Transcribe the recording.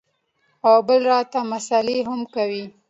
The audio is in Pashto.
او بل راته مسالې هم کوې.